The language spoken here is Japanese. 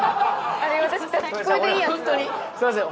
すいません。